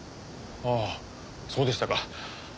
ああそうでしたか。